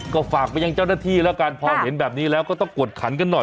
ก็ฝากไปยังเจ้าหน้าที่แล้วกันพอเห็นแบบนี้แล้วก็ต้องกวดขันกันหน่อย